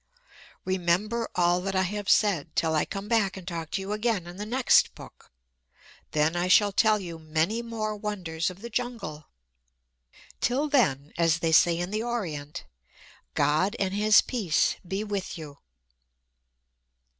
Remember all that I have said, till I come back and talk to you again in the next book. Then I shall tell you many more Wonders of the Jungle. Till then, as they say in the Orient, God and His peace be with you!